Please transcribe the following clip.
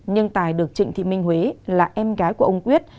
nhưng tài được trịnh thị minh huế là em gái của ông quyết